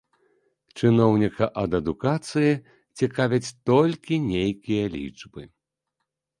Чыноўніка ад адукацыі цікавяць толькі нейкія лічбы.